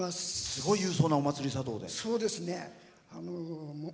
すごい勇壮なお祭りだそうで。